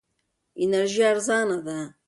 انرژي ارزانه ده.